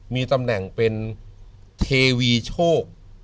มีตำแหน่งเป็นเทวีโชค